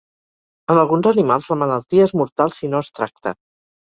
En alguns animals la malaltia és mortal si no es tracta.